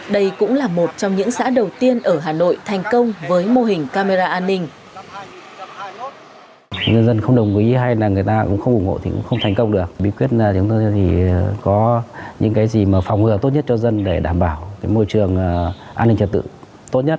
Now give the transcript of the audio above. đây cũng là một trong những xã đầu tiên ở hà nội thành công với mô hình camera an ninh